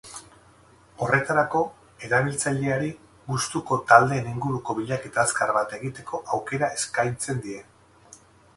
Horretarako, erabiltzaileari gustuko taldeen inguruko bilaketa azkar bat egiteko aukera eskaintzen die.